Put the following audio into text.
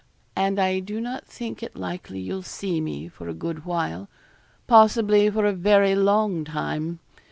And I do not think it likely you'll see me for a good while possibly for a very long time.